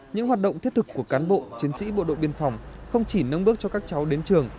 những hoạt động thiết thực của cán bộ chiến sĩ bộ đội biên phòng không chỉ nâng bức cho các cháu đến trường